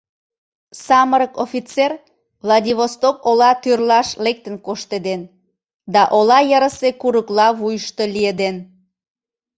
Самырык офицер Владивосток ола тӱрлаш лектын коштеден да ола йырысе курыкла вуйышто лиеден.